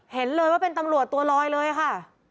เห็นเลยว่าเป็นตำรวจตัวลอยเลยค่ะ